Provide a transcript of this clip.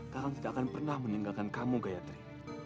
kalian tidak akan pernah meninggalkan kamu gayatri